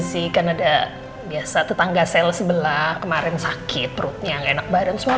sih karena ada biasa tetangga sel sebelah kemarin sakit perutnya nggak enak badan semua